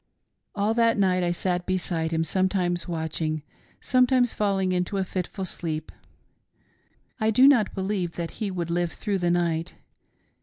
All that night I sat beside him, sometimes watching, sometimes falling into a fitful sleep. I did not believe that he would live through the night.